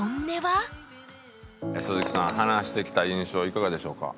鈴木さん話してきた印象いかがでしょうか？